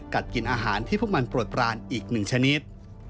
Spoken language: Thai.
กัดกลิ่นอาหารที่พวกมันปลดปรานอีกหนึ่งชนิด